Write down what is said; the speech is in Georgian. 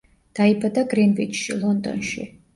დაიბადა გრინვიჩში, ლონდონში.